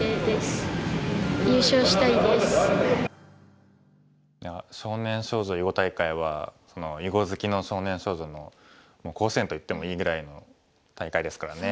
いや少年少女囲碁大会は囲碁好きの少年少女の甲子園といってもいいぐらいの大会ですからね。